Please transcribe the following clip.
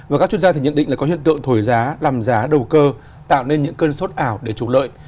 và các chuyên gia thì nhận định là có hiện tượng thổi giá làm giá đầu cơ tạo nên những cơn sốt ảo để trục lợi